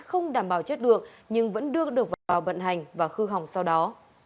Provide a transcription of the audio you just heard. không đảm bảo chất được nhưng vẫn được vào bận hành và khư hỏng sau đó